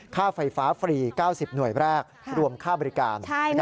ค่าไฟฟ้าฟรี๙๐หน่วยแรกรวมค่าบริการ